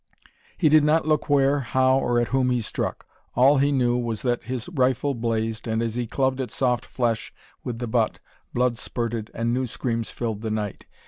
He did not look where, how, or at whom he struck. All he knew was that his rifle blazed, and as he clubbed at soft flesh with the butt, blood spurted, and new screams filled the night.